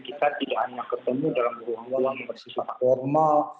kita tidak hanya ketemu dalam ruang ruang bersifat formal